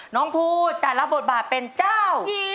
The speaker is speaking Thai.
น้องภูจะรับบทบาทเป็นเจ้า